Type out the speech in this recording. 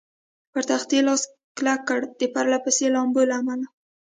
پر تختې لاس کلک کړ، د پرله پسې لامبو له امله.